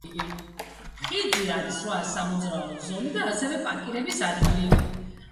ხიდზე არის რვა სამოძრაო ზოლი და ასევე პარკირების ადგილები.